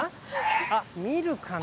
あっ、見るかな？